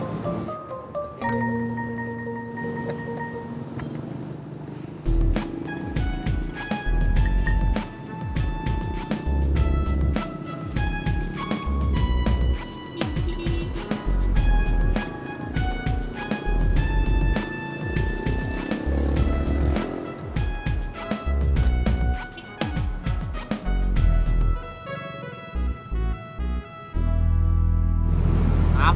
tak ada apa apa